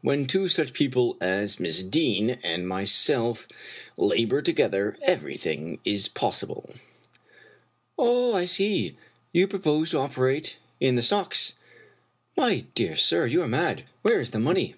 When two such people as Miss Deane and myself labor together, everything is possible I "" Oh, I see ! You propose to operate in the stocks. My dear sir, you are mad. Where is the money